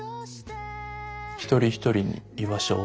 「一人一人に居場所を」ってやつ？